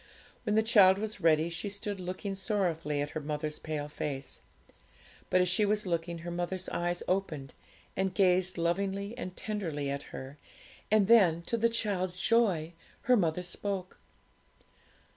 When the child was ready, she stood looking sorrowfully at her mother's pale face. But as she was looking, her mother's eyes opened, and gazed lovingly and tenderly at her, and then, to the child's joy, her mother spoke.